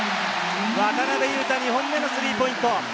渡邊雄太、２本目のスリーポイント！